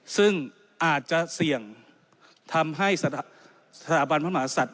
ซึ่งอาจจะเสี่ยงทำให้สถาบันพระมหาศัตริย